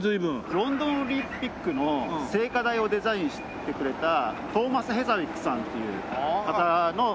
ロンドンオリンピックの聖火台をデザインしてくれたトーマス・ヘザウィックさんっていう方の建物がデザイン。